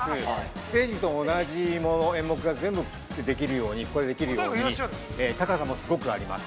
ステージと同じもの演目が全部できるように、ここでできるように、高さもすごくあります。